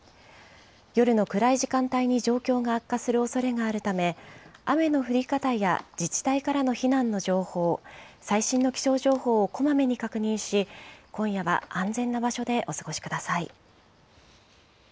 夜の暗い時間帯に状況が悪化するおそれがあるため、雨の降り方や自治体からの避難の情報、最新の情報を小まめに確認し、今夜は安全な場所でお過ごしください。